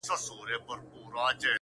هسې خو د حمزه زمانه د شعري تخلیق